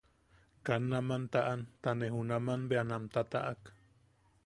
Kaa nam taʼan ta ne junaman bea nam tataʼak.